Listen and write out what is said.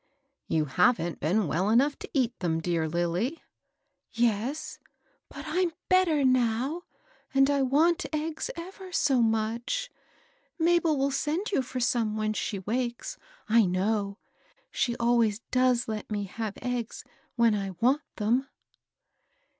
" You haven't been well enough to eat them, dearLiDy." " Yes, but I'm better now, and I want eggs ever so much I Mabel will send you for some when she wakes, I know. She always does let me have eggs when I want them."